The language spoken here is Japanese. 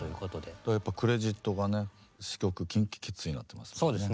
だからやっぱクレジットがね「詞・曲ＫｉｎＫｉＫｉｄｓ」になってますもんね。